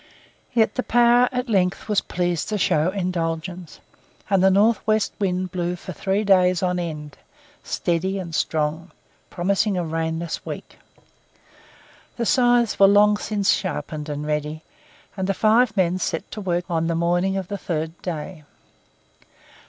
Yet the Power at length was pleased to show indulgence, and the north west wind blew for three days on end, steady and strong, promising a rainless week. The scythes were long since sharpened and ready, and the five men set to work on the morning of the third day.